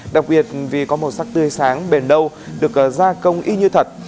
đặc biệt vì có màu sắc tươi sáng bền đâu được gia công y như thật